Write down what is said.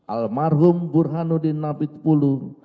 almarhum burhanuddin namitpulu